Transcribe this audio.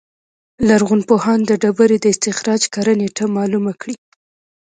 لرغونپوهان د ډبرې د استخراج کره نېټه معلومه کړي.